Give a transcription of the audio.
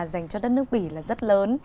dành cho đất nước bỉ là rất lớn